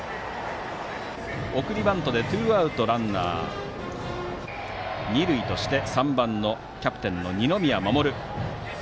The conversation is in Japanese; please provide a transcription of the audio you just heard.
送りバントでツーアウトランナー、二塁として３番のキャプテンの二宮士。